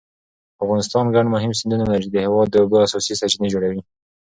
افغانستان ګڼ مهم سیندونه لري چې د هېواد د اوبو اساسي سرچینې جوړوي.